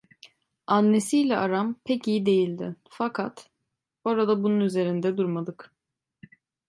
Annesiyle aram pek iyi değildi, fakat orada bunun üzerinde durmadık.